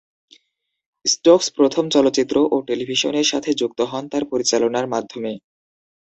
Stokes প্রথম চলচ্চিত্র ও টেলিভিশনের সাথে যুক্ত হন তার পরিচালনার মাধ্যমে।